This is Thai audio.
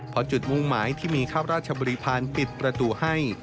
เพราะจุดมุ่งหมายที่มีข้าราชบริพาณปิดประตูให้